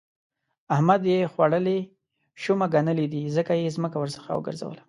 احمد يې خوړلې شومه ګنلی دی؛ ځکه يې ځمکه ورڅخه وګرځوله.